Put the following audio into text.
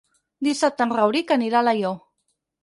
Dissabte en Rauric anirà a Alaior.